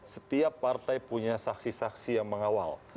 setiap partai punya saksi saksi yang mengawal